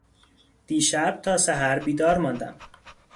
دیشب تا سحر بیدار ماندم.